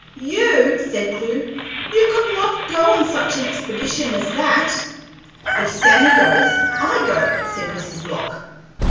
"You!" said Clewe. "You could not go on such an expedition as that!" "If Sammy goes, I go," said Mrs. Block.